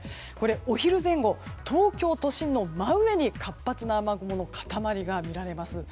お昼前後、東京都心の真上に活発な雨雲の塊が見られます。